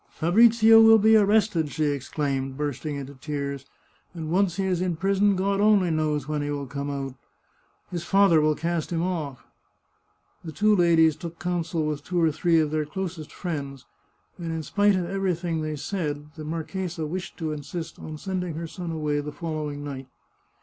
" Fabrizio will be arrested !" she exclaimed, bursting into tears ;" and once he is in prison, God only knows when he will come out ! His father will cast him off !" The two ladies took counsel with two or three of their closest friends, and in spite of everything they said, the marchesa wished to insist on sending her son away the fol lowing night.